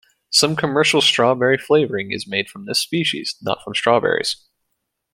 Some commercial "strawberry flavouring" is made from this species, not from strawberries.